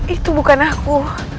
itu bukan aku